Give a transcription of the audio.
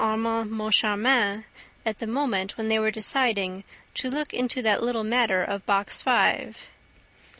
Armand Moncharmin at the moment when they were deciding "to look into that little matter of Box Five."